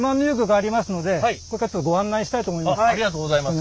ありがとうございます。